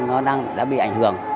nó đã bị ảnh hưởng